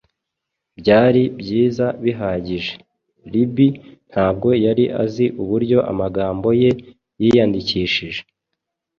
byari byiza bihagije. Libby ntabwo yari azi uburyo amagambo ye yiyandikishije